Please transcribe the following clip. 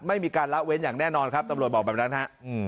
ไม่มีการละเว้นอย่างแน่นอนครับตำรวจบอกแบบนั้นฮะ